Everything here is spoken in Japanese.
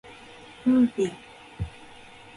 ウーピン